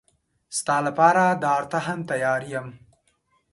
ستا لپاره دار ته هم تیار یم.